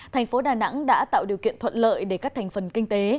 thành phố đà nẵng đã tạo điều kiện thuận lợi để các thành phần kinh tế